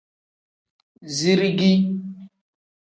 Zirigi.